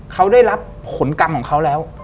เขาได้รับผลกรรมของเขาแล้ว